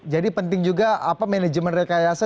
jadi penting juga apa manajemen rekayasa